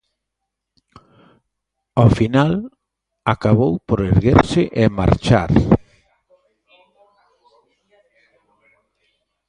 Ao final acabou por erguerse e marchar.